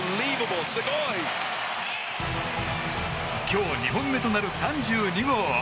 今日２本目となる３２号。